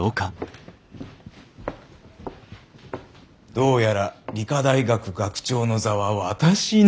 どうやら理科大学学長の座は私に。